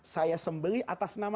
saya sembeli atasnya lima juta